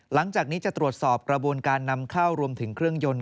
หลังจากนี้จะตรวจสอบกระบวนการนำเข้ารวมถึงเครื่องยนต์